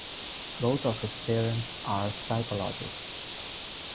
Both of his parents are psychologists.